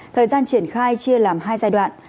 thời gian triển khai chia làm hai giai đoạn